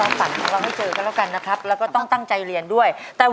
ไม่ได้จับคนเดียวฉลิด